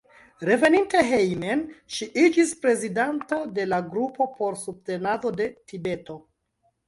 Reveninte hejmen ŝi iĝis prezidanto de la Grupo por Subtenado de Tibeto.